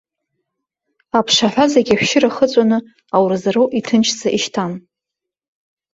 Аԥшаҳәа зегьы ашәшьыра ахыҵәаны ауразоуроу иҭынчӡа ишьҭан.